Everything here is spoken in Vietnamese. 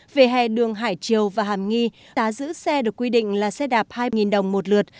về hè đường hải triều và hàm nghi giá giữ xe được quy định là xe đạp hai đồng một lượt